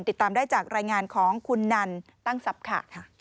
ติดตามได้จากรายงานของคุณนันตั้งทรัพย์ค่ะ